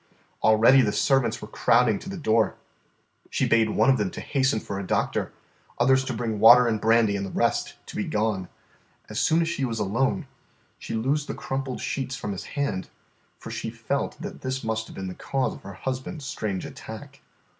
Already the servants were crowding to the door. She bade one of them to hasten for a doctor, others to bring water and brandy, and the rest to be gone. As soon as she was alone, she loosed the crumpled sheets from his hand, for she felt that this must have been the cause of her husband's strange attack.